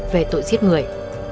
về tội giết người